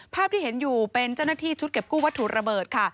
ภาพที่เห็นอยู่เป็นเจ้าหน้าที่ชุดเก็บกู้วัตถุระเบิดค่ะ